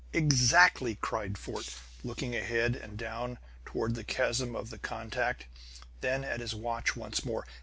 "Exactly!" cried Fort, looking ahead and down, toward the chasm of the contact, then at his watch once more.